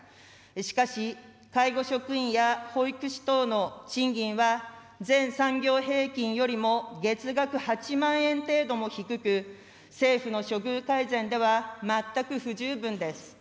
しかし、介護職員や保育士等の賃金は全産業平均よりも、月額８万円程度も低く、政府の処遇改善では、全く不十分です。